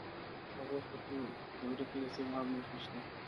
د غور په تیوره کې د سیماب نښې شته.